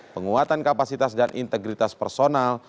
penguatan kapasitas dan integritas personal